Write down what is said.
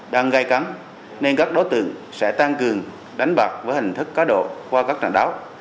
đang gây cắn nên các đối tượng sẽ tăng cường đánh bạc với hình thức cá độ qua các trạng đó